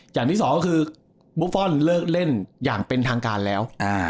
อย่างที่สองก็คือบุฟฟอลเลิกเล่นอย่างเป็นทางการแล้ว